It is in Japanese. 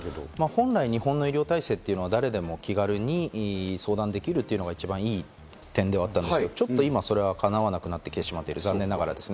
本来日本の医療体制は誰でも気軽に相談できるというのが一番良い点ではあったんですけど、ちょっと今それは叶わなくなってきてしまっている。